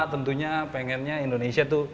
tentunya pengennya indonesia itu